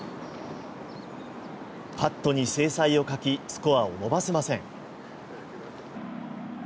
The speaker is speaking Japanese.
パットに精彩を欠きスコアを伸ばせません。